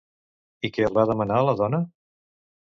I que els va demanar la dona?